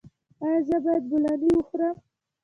ایا زه باید بولاني وخورم؟